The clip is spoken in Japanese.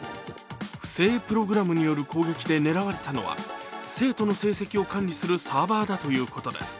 不正プログラムによる攻撃で狙われたのは生徒の成績を管理するサーバーだということです。